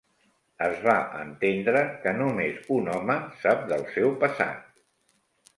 Es va entendre que "només un home" sap del seu passat.